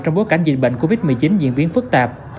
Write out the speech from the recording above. trong bối cảnh dịch bệnh covid một mươi chín diễn biến phức tạp